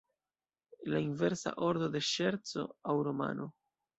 La inversa ordo de ŝerco aŭ romano.